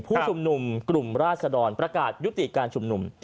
การชุ่มหนุ่มกลุ่มราษดรประการยุติการชุ่มหนุ่ม